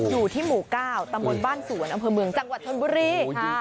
อยู่ที่หมู่๙ตำบลบ้านสวนอำเภอเมืองจังหวัดชนบุรี